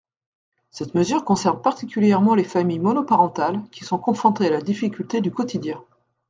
Cette mesure concerne particulièrement les familles monoparentales, qui sont confrontées à la difficulté du quotidien.